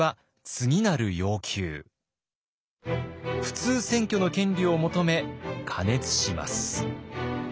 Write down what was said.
普通選挙の権利を求め過熱します。